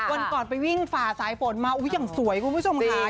วันก่อนไปวิ่งฝ่าสายฝนมาอย่างสวยคุณผู้ชมค่ะ